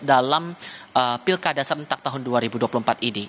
dalam pilkada serentak tahun dua ribu dua puluh empat ini